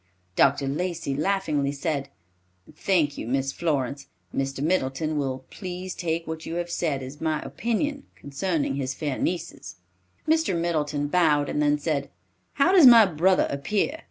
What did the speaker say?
Dr. Lacey laughingly said, "Thank you, Miss Florence; Mr. Middleton will please take what you have said as my opinion concerning his fair nieces." Mr. Middleton bowed and then said, "How does my brother appear?